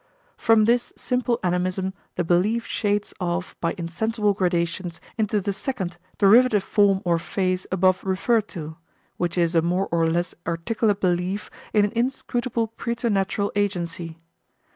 From this simple animism the belief shades off by insensible gradations into the second, derivative form or phase above referred to, which is a more or less articulate belief in an inscrutable preternatural agency.